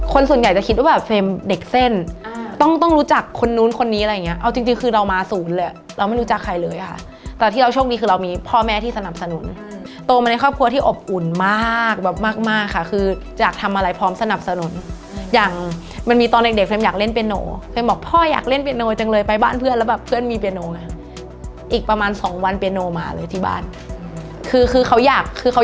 คนส่วนใหญ่จะคิดว่าเฟรมเด็กเส้นต้องรู้จักคนนู้นคนนี้อะไรอย่างนี้เอาจริงคือเรามาศูนย์เลยอะเราไม่รู้จักใครเลยค่ะแต่ที่เราโชคดีคือเรามีพ่อแม่ที่สนับสนุนโตมาในครอบครัวที่อบอุ่นมากค่ะคือจะทำอะไรพร้อมสนับสนุนอย่างมันมีตอนเด็กเฟรมอยากเล่นเปียโนเคยบอกพ่ออยากเล่นเปียโนจังเลยไปบ้านเพื่อนแล้วแบบเพื่อน